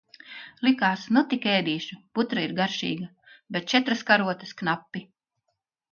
Likās, nu tik ēdīšu, putra ir garšīga, bet četras karotes knapi.